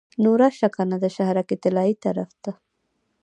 نو راشه کنه د شهرک طلایې طرف ته.